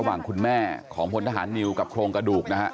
คุณแม่ของพลทหารนิวกับโครงกระดูกนะฮะ